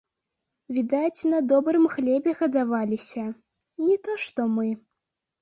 Відаць, на добрым хлебе гадаваліся, не то што мы.